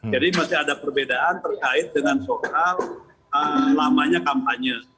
jadi masih ada perbedaan terkait dengan soal lamanya kampanye